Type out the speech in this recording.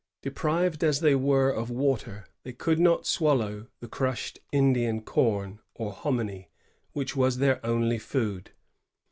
Deprived as they were of water, they could not swallow the crushed Indian com, or hominy,'* which was their only food.